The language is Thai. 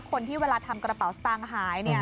คนที่เวลาทำกระเป๋าสตางค์หายเนี่ย